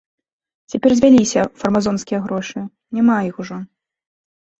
Цяпер звяліся фармазонскія грошы, няма іх ужо.